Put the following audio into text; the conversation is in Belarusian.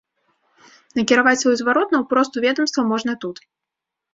Накіраваць свой зварот наўпрост у ведамства можна тут.